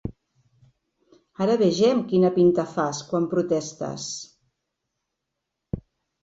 Ara vegem quina pinta fas quan protestes.